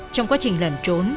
trong quá trình lẩn trốn